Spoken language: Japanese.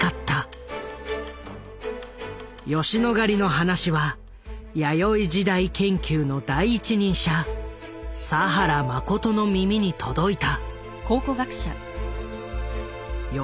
吉野ヶ里の話は弥生時代研究の第一人者佐原眞の耳に届いた。